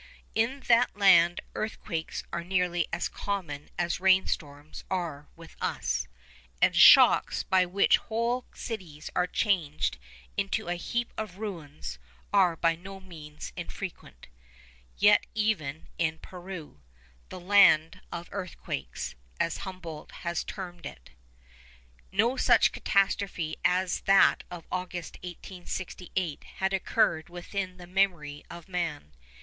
In that land earthquakes are nearly as common as rain storms are with us; and shocks by which whole cities are changed into a heap of ruins are by no means infrequent. Yet even in Peru, 'the land of earthquakes,' as Humboldt has termed it, no such catastrophe as that of August 1868 had occurred within the memory of man.